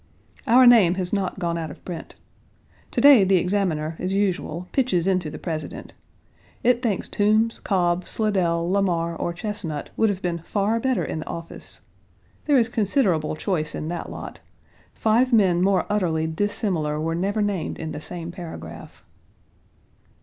Our name has not gone out of print. To day, the Examiner, as usual, pitches into the President. It thinks Toombs, Cobb, Slidell, Lamar, or Chesnut would have been far better in the office. There is considerable choice in that lot. Five men more utterly dissimilar were never named in the same paragraph.